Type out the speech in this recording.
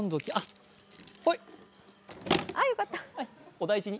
お大事に。